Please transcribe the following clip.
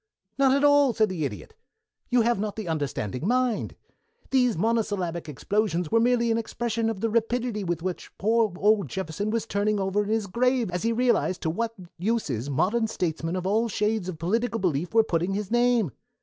"Not at all," said the Idiot. "You have not the understanding mind. Those monosyllabic explosions were merely an expression of the rapidity with which poor old Jefferson was turning over in his grave as he realized to what uses modern statesmen of all shades of political belief were putting his name.